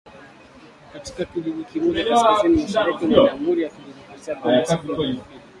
katika kijiji kimoja kaskazini mashariki mwa Jamhuri ya Kidemokrasi ya Kongo siku ya Jumapili